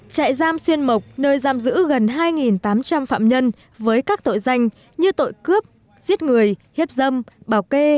trại giam xuyên mộc nơi giam giữ gần hai tám trăm linh phạm nhân với các tội danh như tội cướp giết người hiếp dâm bảo kê